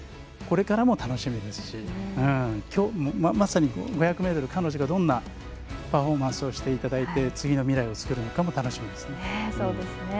これからも楽しみですしまさに５００ｍ彼女が、どんなパフォーマンスをしていただいて次の未来を作るのかも楽しみです。